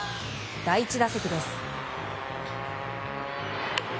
第１打席です。